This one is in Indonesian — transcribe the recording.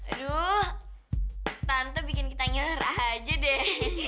aduh tante bikin kita nyerah aja deh